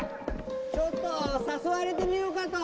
ちょっと誘われてみようかと。